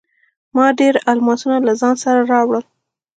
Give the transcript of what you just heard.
ما ډیر الماسونه له ځان سره راوړل.